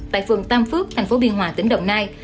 tại phường tam phước thành phố biên hòa tỉnh đồng nai